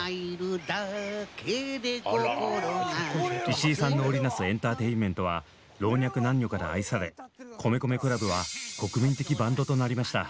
石井さんの織り成すエンターテインメントは老若男女から愛され米米ＣＬＵＢは国民的バンドとなりました。